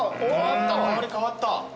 香り変わった。